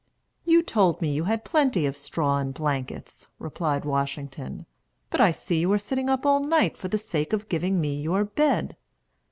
"You told me you had plenty of straw and blankets," replied Washington; "but I see you are sitting up all night for the sake of giving me your bed."